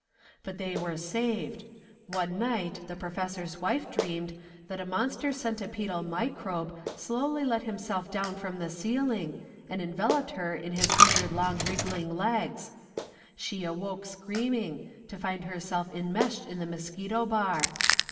But they were saved. One night the professor's wife dreamed that a monster centipedal microbe slowly let himself down from the ceiling, and enveloped her in his hundred long wriggling legs. She awoke screaming, to find herself enmeshed in the mosquito bar.